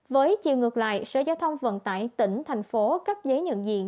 với chiều ngược lại sở giao thông vận tải tỉnh thành phố cấp giấy nhận diện